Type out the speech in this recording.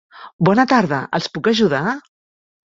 Bona tarda. Els puc ajudar?